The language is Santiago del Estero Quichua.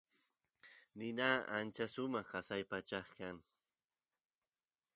nina ancha sumaq qasa pachapa kan